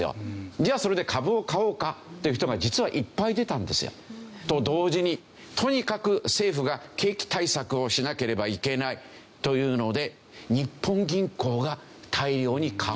じゃあそれで株を買おうかという人が実はいっぱい出たんですよ。と同時にとにかく政府が景気対策をしなければいけないというので日本銀行が大量に株を買う。